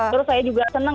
terus saya juga senang